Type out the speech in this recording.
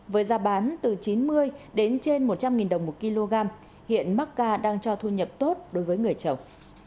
với giá bán từ chín mươi đến trên một trăm linh đồng một kg hiện mắc ca đang cho thu nhập tốt đối với người trồng